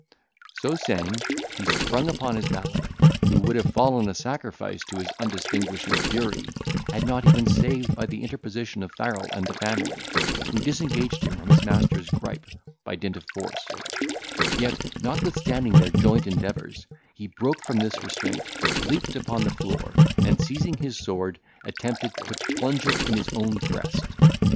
So saying, he sprung upon his valet, who would have fallen a sacrifice to his undistinguishing fury, had not he been saved by the interposition of Farrel and the family, who disengaged him from his master's gripe by dint of force; yet, notwithstanding their joint endeavours, he broke from this restraint, leaped upon the floor, and seizing his sword, attempted to plunge it in his own breast.